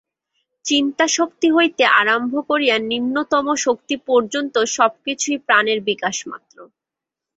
চিন্তাশক্তি হইতে আরম্ভ করিয়া নিম্নতম শক্তি পর্যন্ত সবকিছুই প্রাণের বিকাশমাত্র।